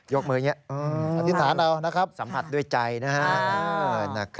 ยกมืออย่างนี้สัมผัสด้วยใจนะครับ